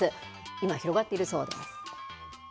今、広がっているそうです。